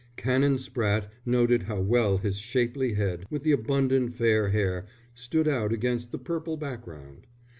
Canon Spratte noted how well his shapely head, with the abundant fair hair, stood out against the purple background.